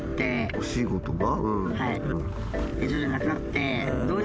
お仕事が？